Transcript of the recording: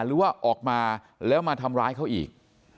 หรือว่าออกมาแล้วมาทำร้ายเขาอีก